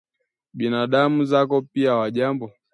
Binamu zako pia hawajambo